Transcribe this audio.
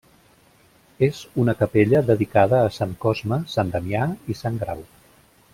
És una capella dedicada a Sant Cosme, Sant Damià i Sant Grau.